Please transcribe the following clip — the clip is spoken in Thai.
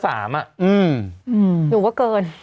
อืมหรือว่าเกิน